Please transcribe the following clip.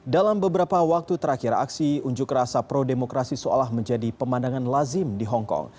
dalam beberapa waktu terakhir aksi unjuk rasa pro demokrasi seolah menjadi pemandangan lazim di hongkong